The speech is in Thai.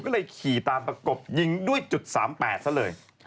ก็เลยขี่ตามประกบยิงด้วยจุด๓๘ซะเลย